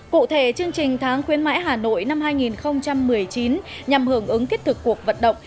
cụ thể chương trình tháng khuyến mãi hà nội năm hai nghìn một mươi chín nhằm hưởng ứng thiết thực cuộc vận động